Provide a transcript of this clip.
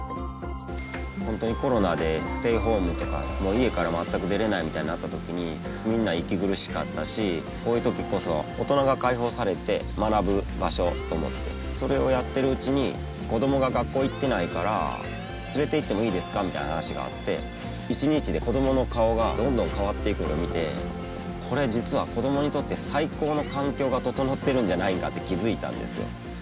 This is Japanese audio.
ホントにコロナでステイホームとかもう家から全く出れないみたいになったときにみんな息苦しかったしこういうときこそ大人が解放されて学ぶ場所と思ってそれをやってるうちに子供が学校行ってないから連れて行ってもいいですかみたいな話があって一日で子供の顔がどんどん変わっていくのを見てこれ実は子供にとって最高の環境が整ってるんじゃないんかって気付いたんですよ